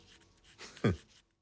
フッ。